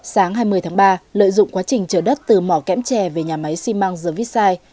sáng hai mươi tháng ba lợi dụng quá trình trở đất từ mỏ kém chè về nhà máy xi măng gervisai